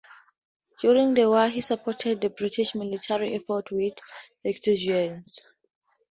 During the war he supported the British military effort with enthusiasm.